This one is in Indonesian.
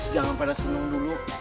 jangan pada seneng dulu